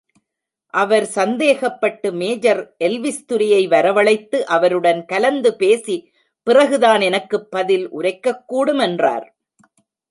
அவர் சந்தேகப்பட்டு, major Elvis துரையை வரவழைத்து, அவருடன் கலந்து பேசிப் பிறகுதான் எனக்குப் பதில் உரைக்கக்கூடுமென்றார்.